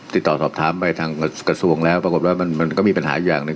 ติดต่อสอบถามไปทางกษัตริย์ส่วงแล้วปรากฏร้อยมันิ้มันก็มีปัญหาอย่างหนึ่ง